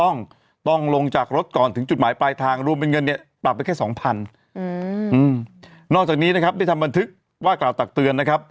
นอกจากนี้ได้ทำบันทึกว่ากล่าวตักเตือน